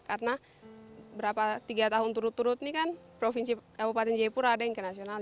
karena berapa tiga tahun turut turut nih kan provinsi kabupaten jayapura ada yang ke nasional